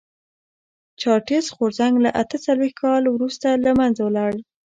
چارټېست غورځنګ له اته څلوېښت کال وروسته له منځه لاړ.